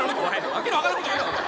訳の分からんこと言うな、お前。